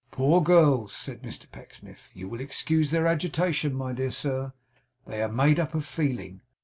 'Poor girls!' said Mr Pecksniff. 'You will excuse their agitation, my dear sir. They are made up of feeling.